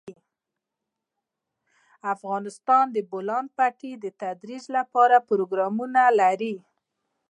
افغانستان د د بولان پټي د ترویج لپاره پروګرامونه لري.